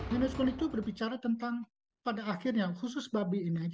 menuskul itu berbicara tentang pada akhirnya khusus babi ini aja ya toleransi